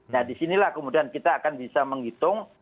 nah di sinilah kemudian kita akan bisa menghitung